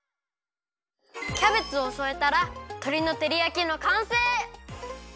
キャベツをそえたらとりのてりやきのかんせい！